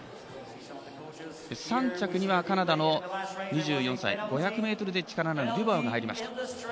３着にカナダの２４歳５００ｍで力のあるデュボワが入りました。